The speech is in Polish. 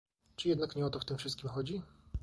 Czy jednak nie o to w tym wszystkim chodzi?